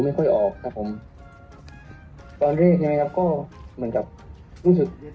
ไม่ค่อยออกครับผมตอนแรกนะครับก็เหมือนกับรู้สึก